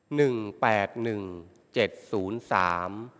แปดหนึ่งเจ็ดศูนย์สาม